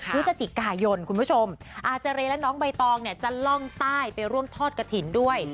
คือจจิกายนคุณผู้ชมอาจารย์และน้องใบตองจะล่องใต้ไปร่วมทอดกะถิ่นด้วย